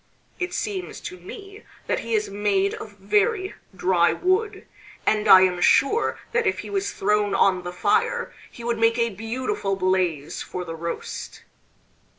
It seems to me that he is made of very dry wood, and I am sure that if he was thrown on the fire he would make a beautiful blaze for the roast."